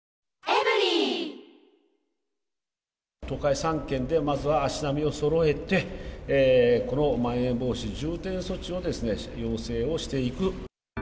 東海３県でまずは足並みをそろえて、このまん延防止重点措置を要請をしていく。